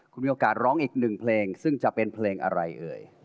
คุณมีโอกาสร้องอีกหนึ่งเพลงซึ่งจะเป็นเพลงอะไรเอ่ย